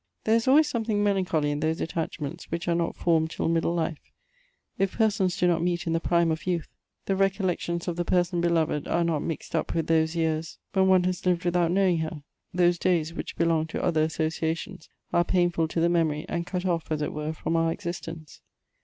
Ihere is always some thing melancholy in those attachments which are not formed till middle life ; if persons do not meet in the prime of youth, the recollections of the person beloved are not mixed up with those years when one has lived without knowing her : those days which belong to other associations^ are painful to the memory, and cut off, as it were, from our existence.